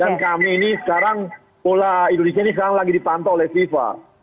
dan kami ini sekarang pula indonesia ini sekarang lagi dipantau oleh siva